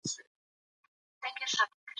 که موږ په ګډه کار وکړو، هېواد به جوړ شي.